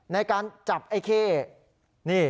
ในการจับไอเคเษ่อ